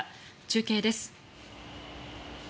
中継です。